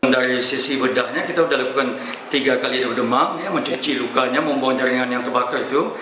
dari sisi bedahnya kita sudah lakukan tiga kali demam mencuci lukanya memboncer ringan yang terbakar itu